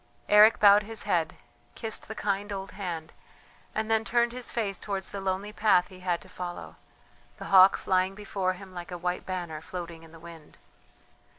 Eric bowed his head, kissed the kind old hand, and then turned his face towards the lonely path he had to follow, the hawk flying before him like a white banner floating in the wind.